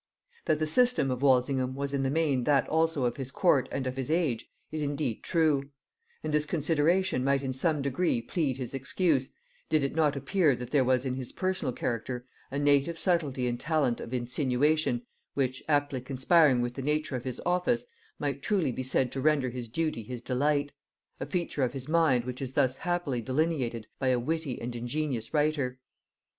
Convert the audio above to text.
That the system of Walsingham was in the main that also of his court and of his age, is indeed true; and this consideration might in some degree plead his excuse, did it not appear that there was in his personal character a native subtilty and talent of insinuation which, aptly conspiring with the nature of his office, might truly be said to render his duty his delight: a feature of his mind which is thus happily delineated by a witty and ingenious writer.